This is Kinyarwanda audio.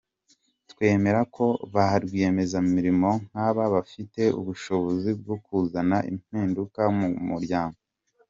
Twemera ko ba rwiyemezamirimo nk’aba bafite ubushobozi bwo kuzana impinduka mu muryango.